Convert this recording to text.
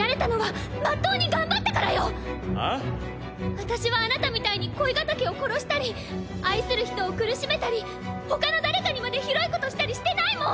私はあなたみたいに恋敵を殺したり愛する人を苦しめたりほかの誰かにまでひどいことしたりしてないもん！